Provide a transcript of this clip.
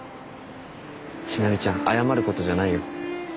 千波ちゃん謝ることじゃないよ。